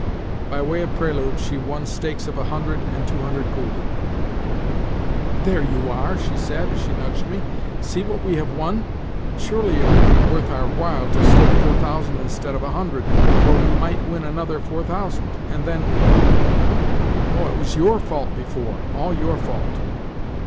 By way of prelude she won stakes of a hundred and two hundred gülden. "There you are!" she said as she nudged me. "See what we have won! Surely it would be worth our while to stake four thousand instead of a hundred, for we might win another four thousand, and then—! Oh, it was YOUR fault before—all your fault!"